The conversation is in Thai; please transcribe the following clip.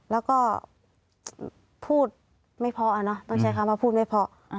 แล้วก็พูดไม่พออ่ะนะต้องใช้คำว่าพูดไม่พอ